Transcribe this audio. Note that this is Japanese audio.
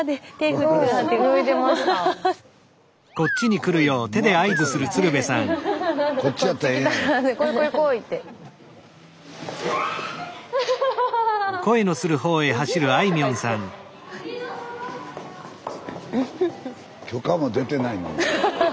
スタジオ許可も出てないのに。